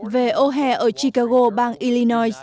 về ô hè ở chicago bang illinois